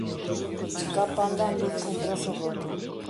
Escapa andando cun brazo roto.